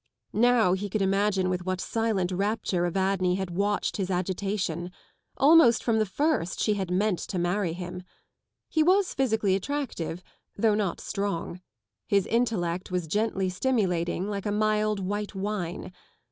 Now he could imagine with what silent rapture Evadne had watched his agitation. Almost from the first she had meant to marry him. He was physically attractive, though not strong. His intellect was gently stimulating like a mild white wine.